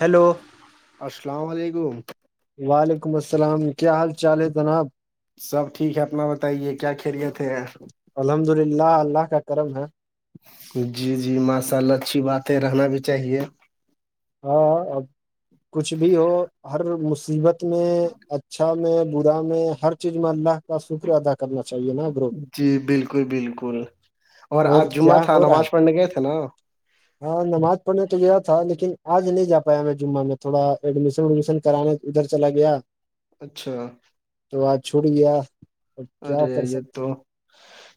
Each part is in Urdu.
ہیلو السلام علیکم وعلیکم السلام کیا حال چال ہے جناب سب ٹھیک ہے اپنا بتائیے کیا خیریت ہے یار الحمد للہ اللہ کا کرم ہے جی جی ماشاء اللہ اچھی بات ہے رہنا بھی چاہیے ہاں اب کچھ بھی ہو ہر مصیبت میں اچھا میں برا میں ہر چیز م اللہ کا شکر ادا کرنا چاہیے نا برو جی بالکل بالکل اور آج جمعہ کیا تھا ہو رہا نماز ہے پڑھنے گئے تھے نا ہاں نماز پڑھنے تو گیا تھا لیکن آج نہیں جا پایا میں جمعہ میں تھوڑا ایڈمیشن وڈمیشن کرانے ادھر چلا گیا اچھا تو آج چھوٹ گیا اور کیا ارے کر یہ سکتے تو ہیں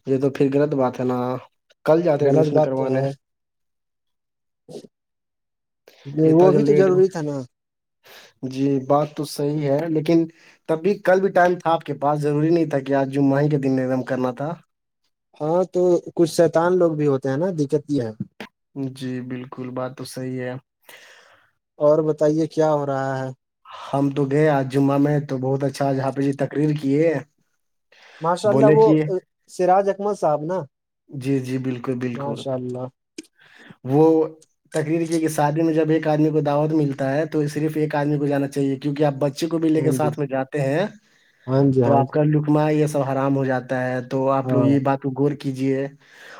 یہ تو پھر غلط بات ہے نا کل جاتے غلط ایڈمیشن بات کروانے ج اتنا وہ بھی تو جلدی ایڈ ضروری تھا نا جی بات تو صحی ہے لیکن تب بھی کل بھی ٹائم تھا آپ کے پاس ضوری نہیں تھا کہ آج جمعہی کے دن نم کرنا تھا ہاں تو کچھ شیتان لوگ بھی ہوتے ہیں نا دقت یہ ہے جی بالکل بات تو صحیح ہے اور بتائیے کیا ہو رہا ہے ہم تو گئے آج جمعہ میں تو بہت اچھا جہاں پہ جی تقریر کیے ماشاء اللہ بولے وہ کہ سراج احمد صاحب نا جی جی بالکل بالکل ماشاء اللہ وہ تقریر یہ کہ سات میں میں جب ایک آدمی کو دعوت ملتا ہے تو صرف ایک آدمی کو جانا چاہیے کیونک آپ بچ بچے کو بھی لے کے ہاں جی ساتھ میں جاتے ہیں ہاں جی تو ہاں آپ جی کا لکما یہ سب حرام ہو جاتا ہے تو آپ لوگ ہاں یہ بات کو ور کیجیے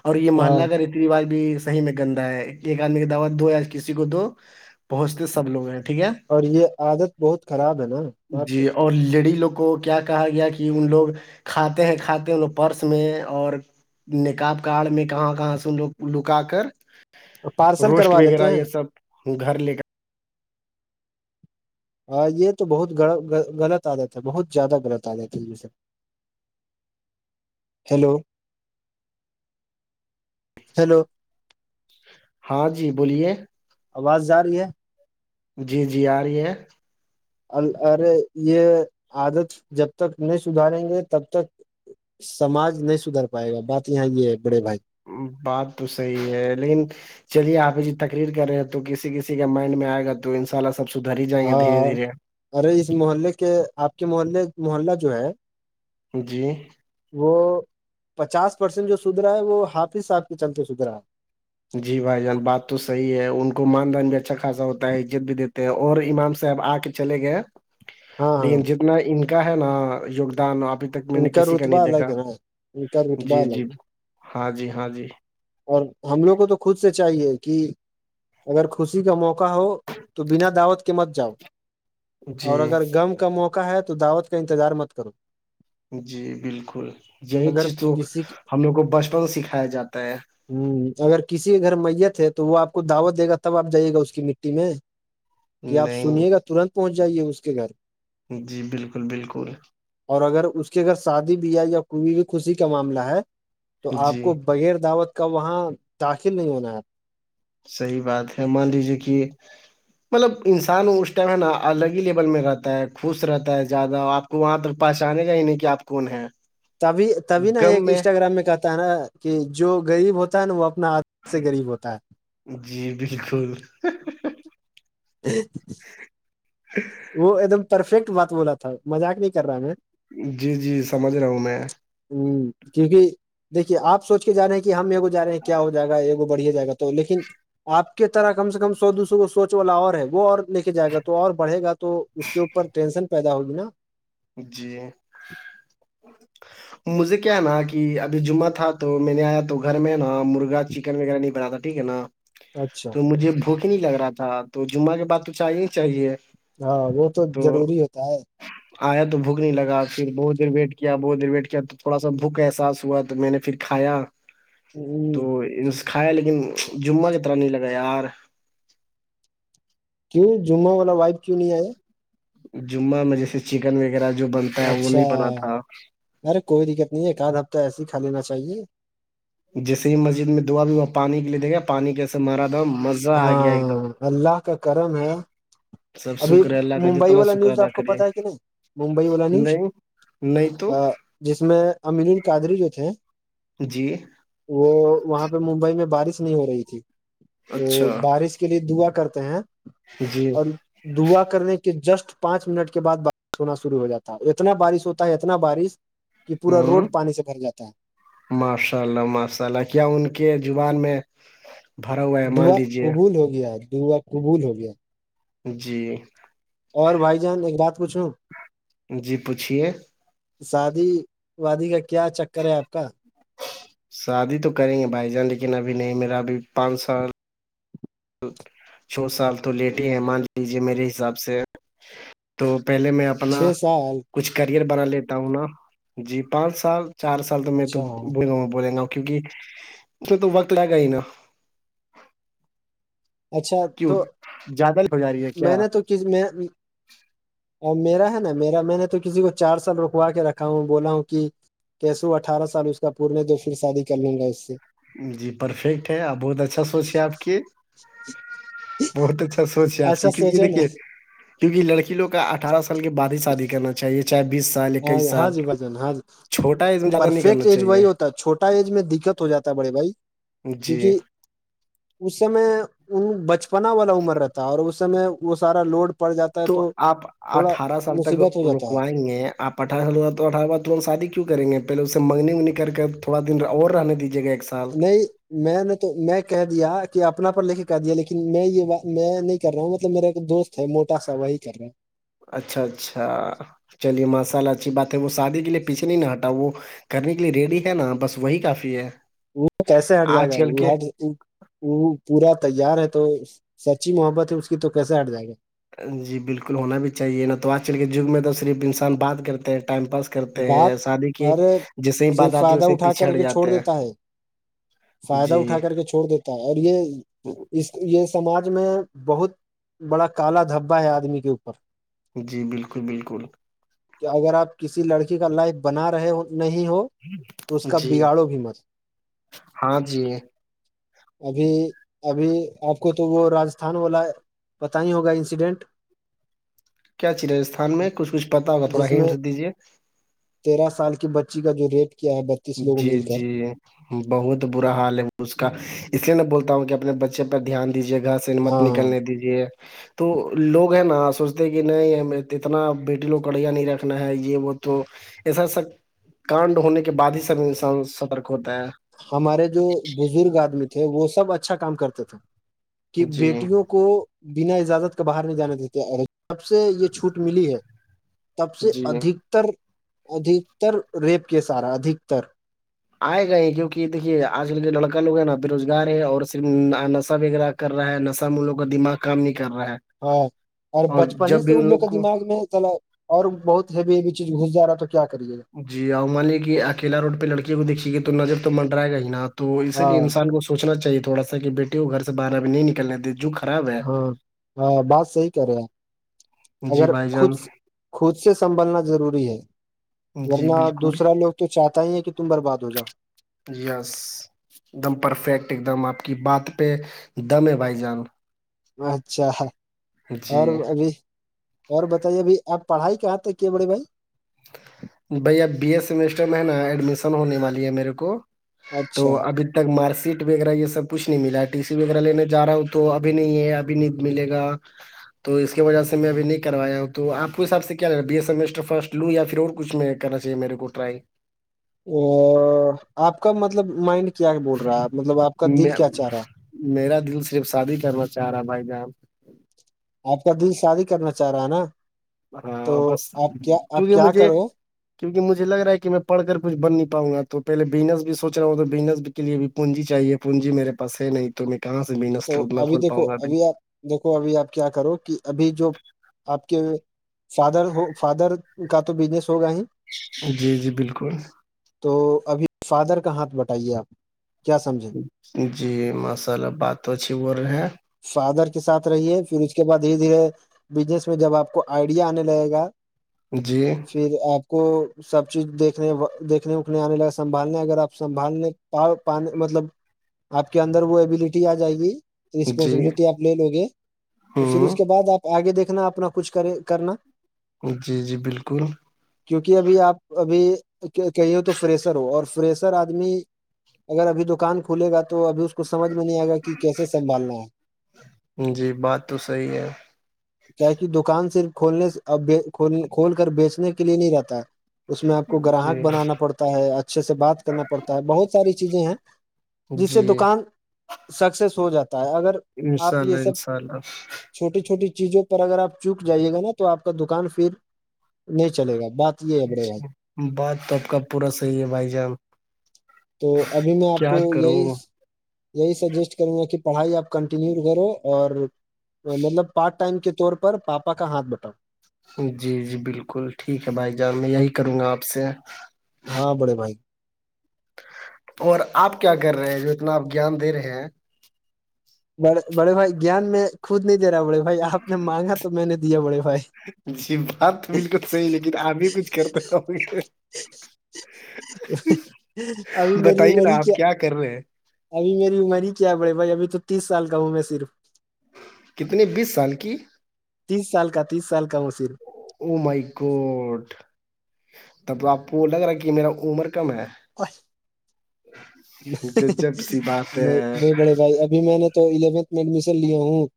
اور یہ ہاں محلہ کا ریتی رواج بھی صحی میں گندا ہے ایک آدمی کی دعوات دو یا کسی کو دو پہنچتے سب لوگ ہیں ٹھیک ہے اور یہ عادت بہت خراب ہے نا آپ جی اور لیڈی لوگ کو کیا کہا گیا کہ ان لوگ کھاتے ہیں کھاتے ہیں لوگ پرس میں اور نکاب کڈ میں کہاں کہاں سے لوگ لوگ کا کر پارسل روسٹ کروا لیتے وغیرہ ہیں یہ سب گھر لے کر ہاں یہ تو بہت غلط آ جت ہے بہت زیادہ غلط آ جات تھ ہے یہ سےب ہیلو ہیلو کر ہاں جی بولیے آواز جا رہی ہے جی جی آ رہی ہے ال ارے یہ عادت جب تک نہیں سدھاریں گے تب تک سماج نہیں سدھر پائے گا بات یہاں یہ ہے بڑے بھائی بات تو صحی ہے لیکن چلیے آپ جی تقریر کر رہے ہیں تو کسی کسی کا مائنڈ میں آئے گا تو ان شاء اللہ سب سدھر ہی جائیں گے دھیرے ہاں دھیرے ارے اس محلے کے آپ کے محلے محلہ جو ہے جی وہ پچاس پرسینٹ جو سدھرا ہے وہ حافظ صاحب کے چلتے سدھرا ہے جی بھائی جان بات توحی ہے ان کو ماندان بھی اچھا خاصا ہوتا ہے عزت بھی دیتے ہیں اور امام صاحب آ کے چلے گئے ہاں ہاں لیکن جتنا ان کا ہے نا یوگدان آپ تک میں ان نے کسی کا رتبہ نہیں دیکھا الگ ہے نا ان کا رتبہ جی الگ جی ہے ہاں جی ہاں جی اور ہم لوگ کو تو خود سے چاہیے کہ اگر خوشی کا موقع ہو تو بنا دعوت کے مت جاؤ اور جی اگر غم کا موقع ہے تو دعوت کا انتظار مت کرو جی بالکل یہی اگر چیز تو کسی ہ ہم لوگ کو بچپن سکھایا جاتا ہے ہوں اگر کسی کے گھر میت ہے تو وہ آپ کو دعوت دے گا تب آپ جائیے گا اس کی مٹی میں کیا آپ سنیے گا نہیں ترنت پہنچ جائیے اس کے گھر؟ جی بالکل بالکل اور اگر اس کے اگر شادی بیاہ یا کوئی بھی خوشی کا معاملہ ہے تو آپ جی کو بغیر دعوت کا وہاں داخل نہیں ہونا آ صحیح بات ہے مان لیجیے کہ مطلب انسان اس ٹائم ہے نا الگ ہی لیول میں رہتا ہے خوش رہتا ہے زیادہ آپ کو وہاں تک پہچانے گا ہی نہیں کہ آپ کون ہیں تبھی تبھی نا ایک انسٹاگررام میں کہتا ہے نا کہ جو غریب ہوتا ہے نا وہ اپنا ک سے غریب ہوتا ہے جی بالکل جی [unintelligible] ج [unintelligible] [unintelligible] وہ ایک دم پرفیکٹ بات بولا تھا مذاق نہیں کر رہا میں جی جی سمجھ رہا ہوں میں ہوں کیونکہ دیکھیے آپ سوچ کے جا رہے ہیں کہ ہمےگو جا رہے ہیں کیا ہو جائے گاگو بڑھیا جائے گا تو لیکن آپ کے طرح کم سے کم سو دو سو کو سوچ والا اور ہے وہ اور لے کے جائے گا تو اور بڑھے گا تو اس کے اوپر ٹینشن پیدا ہوگی نا جی مجھے کیا ہے نا کہ ابھی جمعہ تھا تو میں نے آیا تو گھر میں نا مرغا چکن وغیرہ نہیں بناتا تھا ٹھیک ہے نا اچھا تو مجھے بھوک ہی نہیں لگ رہا تھا تو جمعہ کے بات تو چاہیے ہی چاہیے ہاں وہ تو ضروری ہوتا ہے آیا تو بھوک نہیں لگا پھر بہت دیر ویٹ کیا بہت دیر ویٹ کیا تو تھوڑا سا بھوک احساس ہوا تو میں نے پھر کایا ہ تو سے کھایا لیکن جمعہ کی طرح نہیں لگا یار کیوں جما والا وائف کیوں نہیں آیا ہے جمعہ میں جیسے چکن وغیرہ جو بنتا ہے وہ اچھا نہیں بناات تھا ارے کوئی دقت نہیں ہے ایک آدھ ہفتہ ایسے ہی کا لینا چاہیے جیسے ہی مسجد میں دا ہوا پانی کے لیے دیک گا پانی کیسے مارا ہ مسد ہاں اللہ کا کرم ہے سب ابھی شکر ہے اللہ کا ممبئی جتنا والا شکر نیوز ادا آپ کو کریے پتا ہے کہ نہیں ممبئی والا نیوز نہیں نہیں تو جس میں املین کاادری جو تھے جی وہ وہاں پہ ممبئی میں بارش نہیں ہو رہی تھی تو اچھا بارش کے لیے دعا کرتے ہیں جی اور دعا کرنے کے جسٹ پانچ منٹ کے بعد بارش ہونا شروع ہو جاتا ہے اتنا بارش ہوتا ہے اتنا بارش کہ پورا ہوں روڈ پانی سے بھر جاتا ہے ماشاء اللہ ماشاء اللہ کیا ان کے زبان میں بھرا ہوا ہے مان دعا لیجیے قبول ہو گیا دعا قبول ہو گیا جی اور بھائی جان ایک رات کچھوں جی پوچھیے شادی وادی کا کیا چکر ہے آپ کا شادی تو کریں گے بھائی جان لیکن ابھی نہیں میرا ابھی پانچ سال چھو سال تو لیٹے ہیں مان لیجیے میرے حساب سے تو پہلے میں آپ اپنا چھ سال کچھ کرئر بنا لیتا ہوں نا جی پانچ سال چار سال سال تو میں تو اچھا بولا بولے گا کیونکہ اس تو وقت لگ گا ہی نا اچھا کیوں تو زیادہ ہو جا رہی ہے کیا میں نے تو کس میں اور میرا ہے نا میرا میں نے تو کسی کو چار سال رکوا کے رکھا ہوں بولا ہوں کہ کیسو اٹھارہ سال اس کا پورن ہے جو پھر شادی کر لوں گا اس سے جی پرفیکٹ ہے آپ بہت اچھا سوچ ہے آپ کی بہت اچھا سوچ ہے آپ کی ایسا کیک سوچے نا دیکے کیونک لڑکیو کا اٹھارہ سال کے بع ہی شادی کرنا چاہیے چاہے بیس سال ہاں اکیس ہاں سال جی بھجن ہاں جی چھوٹا ہے زیادہ نہیں کرنا پرفیکٹ ایج چاہیے وہی ہوتا چھوٹا ایج میں دقت ہو جاتا ہے بڑے بھائی کیونک جی اس سمے ان بچپنا والا عمر رہتا ہے اور اس سمے وہ سارا لوڈ پڑ جاتا ہے تو آپ تھوڑا اٹھارہ سال تک مصیبت ہو جاتا ہے رکوائیں گے آپٹھہ تو اٹھہ بار تور ہم شادی کیوں کریں گے پہلے اسے منگنی منگنی کر تھوڑا دن اور رہنے دیجیے گا ایک سھ میں نے تو میں کہہ دیا کہ اپنا پر لے کے کر دیا لیکن میں یہ بات میں نہیں کر رہا ہوں مطلب میرا ایک دوست ہے موٹا وہی کر رہا ہے اچھا اچھا چلیے ماشاء اللہ اچھی بات ہے وہ شادی کے لیے پیچھے نہیں نہ ہٹا وہ کرنے کے لیے ریڈی ہے نا بس وہی کافی ہے وہ کیسے ہٹ جائے گا آج کل کے وہ وہ پورا تیار ہے تو سچی محبت ہے اس کی تو کیسے ہٹ جائے گا جی بالکل ہونا بھی چاہیے نا تو آج کل کے جیگ میں تو صرف انسان بات کرتے ہیں ٹائم پاس کرتے بات ہیں شادی کی اور جسے بات صرف آتی ہے فائدہ اسے اٹھا پیچھے کر ہٹ کے چھوڑ جاتے ہیں دیتا ہے فائدہ جی اٹھا کر کے چھوڑ دیتا ہے اور یہ اس یہ سماج میں بہت بڑا کالا دھبا ہے آدمی کے اوپر جی بالکل بالکل کہ اگر آپ کسی لڑکی کا لائف بنا رہے ہو نہیں ہو تو اس کا جی بگاڑو بھی مت ہاں جی ابھی ابھی آپ کو تو وہ راجستھان والا پت ہی ہوگا انسیڈنٹ کیا چھی راجستھان میں کچھ کچھ پتا ہوگا تھوڑا جس میں ہینٹ دیجے تیرہ سال کی بچی کا جو ریٹ کیا ہے بتیس لوگ جی مل کر جی بہت برا حال ہے اس کا اس لیے میں بولتا ہوں کہ اپنے بچے پر دھیان دیجیے گھر سے سمت ہاں نکلنے دیجیے تو لوگ ہے نا سوچتے کہ نہیں اتنا بیٹی لوگ کڑھیا نہیں رکھنا ہے یہ وہ تو ایسا سب کانڈ ہونے کے بعد ہی سب انسان سترک ہوتا ہے ہمارے جو بزرگ آدمی تھے وہ سب اچھا کام کرتے تھے کہ جی بیٹیوں کو کو بنا اجازت کے باہر نہیں جانے دیتے اور جب سے یہ چھوٹ ملی ہے تب سے جی ادھکتر ادھکتر ریپ کے سارا ادھکتر آئے گئے کیوںک دیکھیے آج کل کے لڑکا لو ہے نا بے روزگار ہے اور صرف نشہ وغیرہ کر رہا ہے نشام ملوں کا دماغ کام نہیں کر رہا ہے ہاں اور بچپن جب ہی سے بھی وہ ان لوگ کا کو دماغ میں تھڑا اور بہت ہیویب چیز گھس ج رہا ہے تو کیا کریے گا جی اور مان لیے کہ اکیلا روڈ پہ لڑکیوں کو دیکھیے گے تو نظر تو منرائے گا ہی نا تو گا اسی لیے ہاں انسان کو سوچنا چاہیے تھوڑا کہ بیٹے ہو گھر سے باہر ا بھی نہیں نکلنےتے جک ہاں ہاں بات صحی کرے آپ جی اگر بھائی خود جان خود سے سنبھلنا ضروری ہے جی ورنہ بالکل دوسرا لوگ تو چاہتا ہی ہے کہ تم برباد ہو جا یس ایک دم پرفیکٹ ایک دم آپ کی بات پہ دم ہے بھائی جان اچھا جی اور ابھی اور بتائیے ابھی آپ پڑھائی کہاں تھا کیا بڑے بھائی بھیا اب بی اے سمیسٹر میں ہے نا ایڈمیشن ہونے والی ہے میرے کو تو اچھا ابھی تک مارک شیٹ وغیرہ یہ سب کچھ نہیں ملا ٹی سی وغیرہ لینے جا رہا ہوں تو ابھی نہیں ہے ابھی نہیں ملے گا تو اس کی وجہ سے میں ابھی نہیں کروایا ہوں تو آپ کے حساب سے کیا رہا بیے سمیسٹر فرسٹ لو یا پھر اور کچھ میں کرنا چاہیے میرے کو ٹرائی آپ کا مطلب مائنڈ کیا بول رہا ہے مطلب آپ کا دل کیا چاہ رہا ہے میرا دل صرف شادی کرنا چاہ رہا بھائی جان آپ کا دل شادی کرنا چاہ رہا ہے نا ہاں تو بس آپ کیا آپ کیوںکہ کیا مجھے کرو کیونکہ مجھے لگ رہا ہے میں پڑ کر کچھ ب نہیں پؤں گا توہے بزنس سوچ رہا ہوں تو بزنس بھی کے لیے بھی پونجی چاہیے پونجی میرے پاس ہے نہیں تو میں کہاں سےنا تو ابھی کھول دیکھو پاؤںا ابھی آپ دیکھو ابھی آپ کیا کرو کہ ابھی جو آپ کے فادر ہو فادر کا تو بزنس ہوگا ہی جی جی بالکل تو ابھی فادر کا ہاتھ بٹائیے آپ کیا سمجھیں جی ماشاء اللہ بات تو اچھی بول رہے ہیں فادر کے ساتھ رہیے پھر اس کے بعد دھیرے دھیرے بزنس میں جب آپ کو آئیڈیا آنے لگے گا جی پھر آپ کو سب چیز دیکنے دیکھنے اکھنے آنے لگا سنبھالنے اگر آپ سنبھالنےان مطلب آپ کے اندر وہ ابلیٹی آ جائے گی جی رسپانسبلٹی آپ لے لو گے تو پھر اس کے ہوں بعد آپ آگے دیکھنا اپنا کچھ کرے کرنا جی جی بالکل کیوںکہ ابھی آپ ابھی کہی ہو تو فریسر ہو اور فریسر آدمی اگر ابھی دکان کھلے گا تو ابھی اس کو سمجھ میں نہیں آئے گا کہ کیسے سنبھالنا ہے جی بات تو صحیح ہے کیا کہ دکان صرف کھولنے کھول کر بیچنے کے لیے نہیں رہتا اس میں آپ کو جی گراہک بنانا پڑتا ہے اچھے سے بات کرنا پڑتا ہے بہت ساری چیزیں ہیں جس سے جی دکان سکسیس ہو جاتا ہے اگر انشاء آپ یہ اللہ سب انشاء اللہ چھوٹی چھوٹی چیزوں پر اگر آپ چوک جائیے گا نا تو آپ کا دکان پھر نہیں چلے گا بات یہ ہے بڑے بھائی اچا بات تو آپ کا پورا صحیح ہے بھائی جان تو ابھی میں آپ کیا کو یہی کروں یہی سجیسٹ کریں گے کہ پڑھائی آپ کنٹینیو کرو اور مطلب پارٹ ٹائم کے طور پر پاپا کا ہاتھ بٹاؤ جی جی بالکل ٹھیک ہے بھائی جان میں یہی کروں گا آپ سے ہاں بڑے بھائی اور آپ کیا کر رہے ہیں جو اتنا آپ جان دے رہے ہیں بڑے بڑے بھائی گیان میں خود نہیں دے رہا بڑے بھائی آپ نے مانگا تو میں نے دیا بڑے بھائی جی بات تو بالکل صحیح لیکن ابھی کچھ کرتے نہ ابھی میری بتائیے عمر نا ہی کیا آپ کر رہے ہیں ابھی میری عمر ہی کیا بڑےی بھائی ابھی تو تیس سال کا ہوں میں صرف کتنے بیس سال کی تیس سال کا تیس سال کا مصیر مائی کوٹ تب تو آپ کو لگ رہا ہے کہ میرا عمر کم ہے و جب سی بات نہیں نہیں ہے بڑے بھائی ابھی میں نے تو الیونتھ میں ایڈمیشن لیا ہوں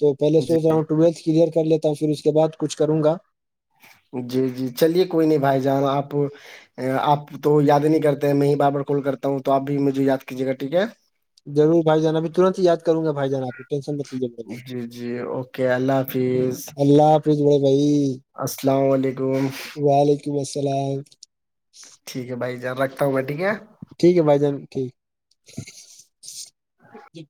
تو پہلے سوچ جی رہا ہوں ٹویلتھ کلیئر کر لیتا ہوں پھر اس کے بد کچھ کروں گا جی جی چلیے کوئی نہیں بھائی جان آپ آپ تو یاد ہی نہیں کرتے ہیں میں ہی بار بار کال کرتا ہوں تو آپ بھی مجھے یاد کیجیے گا ٹھیک ہے ضورھائی جان ابھی ترت ہی یا کر گا بائی جان آپ کو ٹشن جی جی اوکے اللہ حافظ اللہ بڑے بھائی السلام علیکم وعلیکم السلام ٹھیک ہے بھائی جان رکھتا ہوں میں ٹھیک ہے ٹھیک ہے بھائی جان ٹھیک [inaudible]